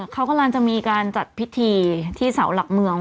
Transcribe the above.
เขากำลังจะมีการจัดพิธีที่เสาหลักเมือง